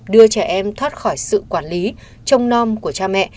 đưa trẻ em thoát khỏi sự quản lý trông non của cha mẹ